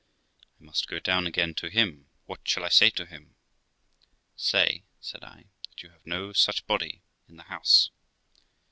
I must go down again to him ; what shall I say to him ?'' Say ', said I, ' that you have no such body in the house.'